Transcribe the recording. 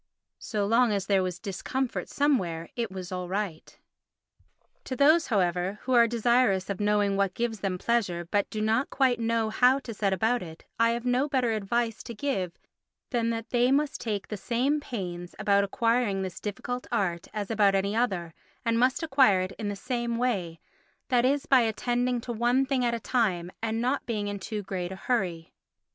So long as there was discomfort somewhere it was all right. To those, however, who are desirous of knowing what gives them pleasure but do not quite know how to set about it I have no better advice to give than that they must take the same pains about acquiring this difficult art as about any other, and must acquire it in the same way—that is by attending to one thing at a time and not being in too great a hurry.